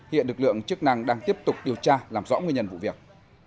hiện lực lượng chức năng đang tiếp tục điều tra làm rõ nguyên nhân vụ việc